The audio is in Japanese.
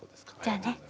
じゃあね